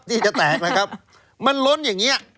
ที่จะแตกนะครับมันล้นอย่างนี้